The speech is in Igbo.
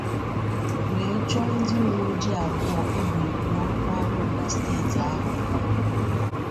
wee chọọ ndị uweojii abụọ e buliri n'ọkwa ọhụrụ na steeti ahụ mma